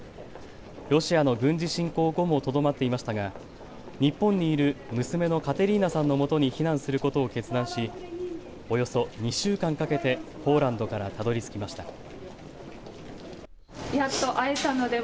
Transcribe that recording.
ロシアの軍事侵攻後もとどまっていましたが日本にいる娘のカテリーナさんのもとに避難することを決断しおよそ２週間かけてポーランドからたどりつきました。